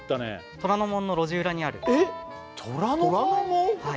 虎ノ門の路地裏にある虎ノ門？